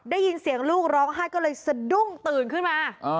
ได้ยินเสียงลูกร้องไห้ก็เลยสะดุ้งตื่นขึ้นมา